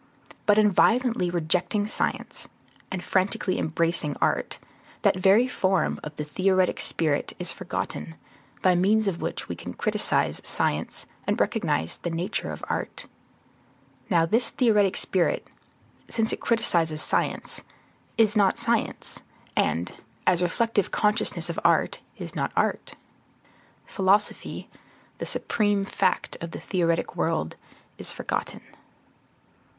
But in violently rejecting science and frantically embracing art, that very form of the theoretic spirit is forgotten, by means of which we can criticize science and recognize the nature of art. Now this theoretic spirit, since it criticizes science, is not science, and, as reflective consciousness of art, is not art. Philosophy, the supreme fact of the theoretic world, is forgotten.